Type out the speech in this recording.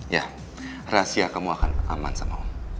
ya rahasia kamu akan aman sama om